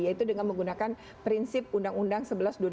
yaitu dengan menggunakan prinsip undang undang sebelas dua ribu tujuh belas